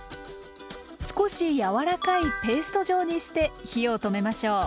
少し柔らかいペースト状にして火を止めましょう。